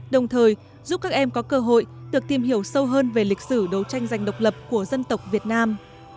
đồng thời giúp các em có cơ hội được tìm hiểu sâu hơn về lịch sử đấu tranh giành độc lập của dân tộc việt nam